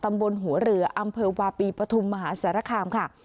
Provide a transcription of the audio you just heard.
ตำบลหัวเรืออำเภอวาปีปฐุมมหาสารคามค่ะ